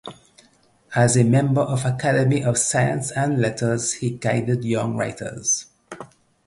As a member of Academy of Science and Letters he guided younger writers.